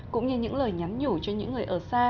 cũng như những lời nhắn nhủ cho những người ở xa